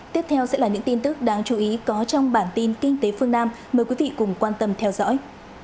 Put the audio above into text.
tiếp theo sẽ là những tin tức đáng chú ý có trong bản tin kinh tế phương nam mời quý vị cùng quan tâm theo dõi